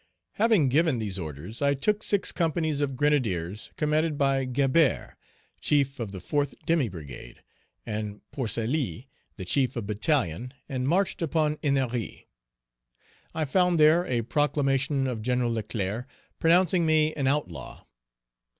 Having given these orders, I took six companies of grenadiers commanded by Gabart, chief of the fourth demi brigade, and Pourcely, the chief of battalion, and marched upon Ennery. I found there a proclamation of Gen. Leclerc, pronouncing me an outlaw.